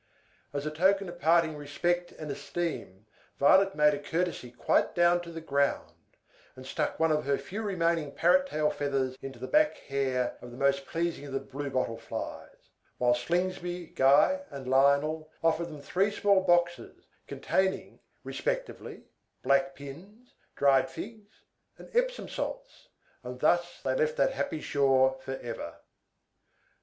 As a token of parting respect and esteem, Violet made a courtesy quite down to the ground, and stuck one of her few remaining parrot tail feathers into the back hair of the most pleasing of the Blue Bottle Flies; while Slingsby, Guy, and Lionel offered them three small boxes, containing, respectively, black pins, dried figs, and Epsom salts; and thus they left that happy shore forever.